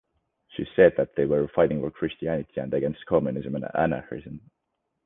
She said that they were fighting for Christianity and against communism and anarchism.